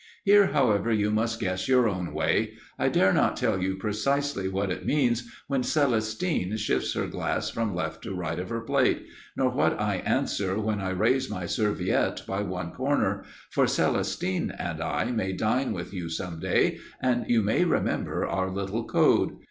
Here, however, you must guess your own way; I dare not tell you precisely what it means when Celestine shifts her glass from left to right of her plate, nor what I answer when I raise my serviette by one corner, for Celestine and I may dine with you some day, and you may remember our little code.